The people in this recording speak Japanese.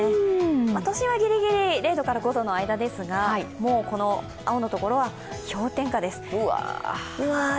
都心はぎりぎり０度から５度の間ですが、青のところは氷点下です。